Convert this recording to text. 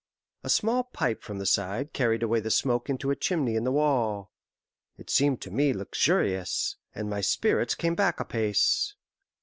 A small pipe from the side carried away the smoke into a chimney in the wall. It seemed to me luxurious, and my spirits came back apace.